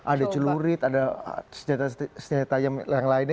ada celurit ada senjata tajam yang lain